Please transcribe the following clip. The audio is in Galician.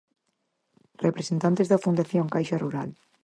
Representantes da Fundación Caixa Rural.